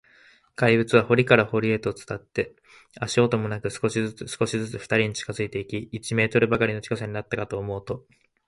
怪物は塀から塀へと伝わって、足音もなく、少しずつ、少しずつ、ふたりに近づいていき、一メートルばかりの近さになったかと思うと、